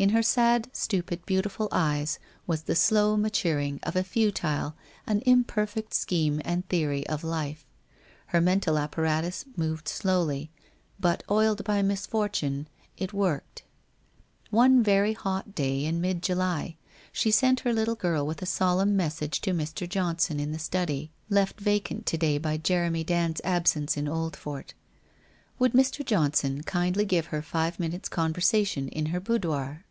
In her sad. stupid, beautiful eyes was the slow maturing of a futile, an imperfect scheme and theory of life. ITnr mental apparatus moved slowly, but oiled by misfortune, it worked. One very hot day in mid July she sent her little girl with a solemn message to Mr. Johnson in the study, left 390 WHITE ROSE OF WEARY LEAF vacant to day by Jeremy Dand's absence in Oldfort. Would Mr. Johnson kindly give her five minutes' conver sation in her boudoir?